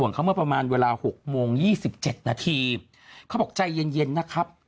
อย่างเขาเมื่อประมาณเวลาหกโมงยี่สิบเจ็ดนาทีเขาบอกใจเย็นเย็นนะครับ